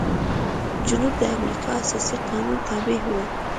جنوب د امریکا اساسي قانون تابع و.